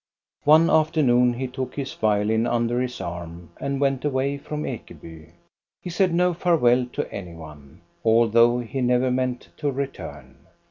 One afternoon he took his violin under his arm and went away from Ekeby. He ^aid no farewell to any one, although he never meant to return.